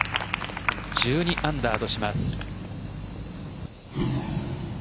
１２アンダーとします。